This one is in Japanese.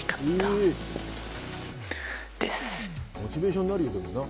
モチベーションになるよな。